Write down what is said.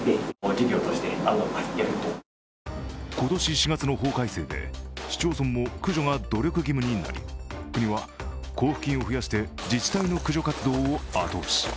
今年４月の法改正で市町村も駆除が努力義務になり国は交付金を増やして自治体の駆除活動を後押し。